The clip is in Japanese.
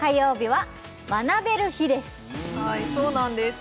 はいそうなんです